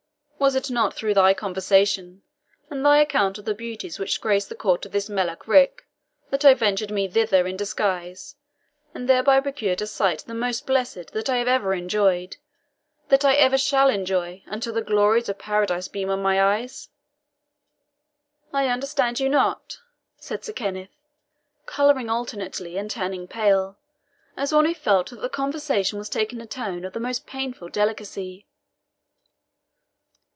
"Was it not through thy conversation, and thy account of the beauties which grace the court of the Melech Ric, that I ventured me thither in disguise, and thereby procured a sight the most blessed that I have ever enjoyed that I ever shall enjoy, until the glories of Paradise beam on my eyes?" "I understand you not," said Sir Kenneth, colouring alternately, and turning pale, as one who felt that the conversation was taking a tone of the most painful delicacy.